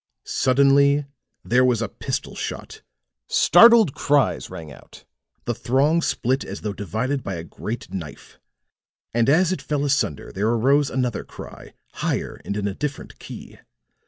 Suddenly there was a pistol shot; startled cries rang out; the throng split as though divided by a great knife. And as it fell asunder there arose another cry, higher and in a different key.